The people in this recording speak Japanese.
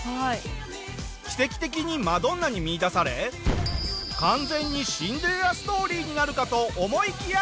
奇跡的にマドンナに見いだされ完全にシンデレラストーリーになるかと思いきや。